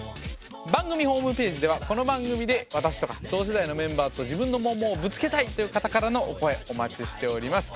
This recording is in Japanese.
番組ホームページではこの番組で私とか同世代のメンバーと自分のモンモンをぶつけたいという方からのお声お待ちしております。